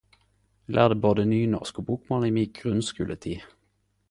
Eg lærde både nynorsk og bokmål i mi grunnskoletid.